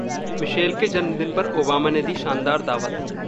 Michel के जन्मदिन पर ओबामा ने दी शानदार दावत